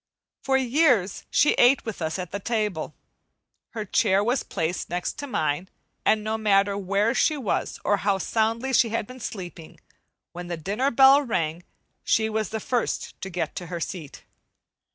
For years she ate with us at the table. Her chair was placed next to mine, and no matter where she was or how soundly she had been sleeping, when the dinner bell rang she was the first to get to her seat.